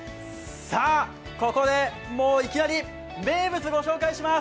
ここでいきなり名物をご紹介します。